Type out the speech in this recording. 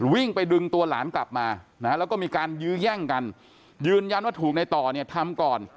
วิ่งไปดึงตัวหลานกลับมานะฮะแล้วก็มีการยื้อแย่งกันยืนยันว่าถูกในต่อเนี่ยทำก่อน